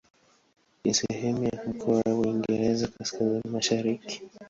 Ni sehemu ya mkoa wa Uingereza Kaskazini-Mashariki.